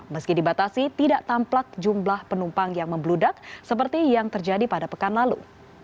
meski dibatasi tidak tampak jumlah penumpang yang membludak seperti yang terjadi pada pekan lalu